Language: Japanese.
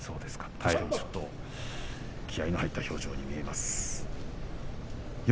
確かに気合いが入った表情に見えます。